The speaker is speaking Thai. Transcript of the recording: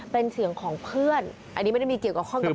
เป็นเสียงของเพื่อนอันนี้ไม่ได้มีเกี่ยวข้องกับ